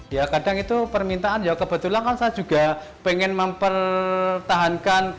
ya kadang itu permintaan ya kebetulan kan saya juga pengen mempertahankan